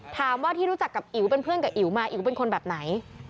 ถามว่าที่รู้จักกับอิ๋วเป็นเพื่อนกับอิ๋วมาอิ๋วเป็นคนแบบไหน